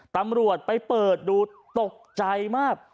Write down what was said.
ตำรวจไปเปิดดูตกใจมาก